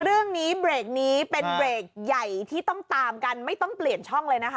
เรื่องนี้เบรกนี้เป็นเบรกใหญ่ที่ต้องตามกันไม่ต้องเปลี่ยนช่องเลยนะคะ